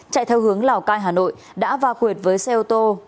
chạy theo hướng lào cai hà nội đã va quyệt với xe ô tô